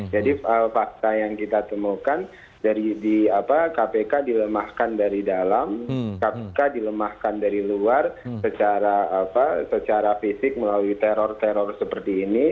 jadi fakta yang kita temukan dari di apa kpk dilemahkan dari dalam kpk dilemahkan dari luar secara apa secara fisik melalui teror teror seperti ini